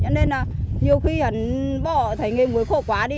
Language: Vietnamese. cho nên là nhiều khi hắn bỏ thấy nghề muối khổ quá đi